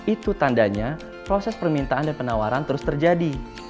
itu tandanya proses permintaan dan penawaran terus terjadi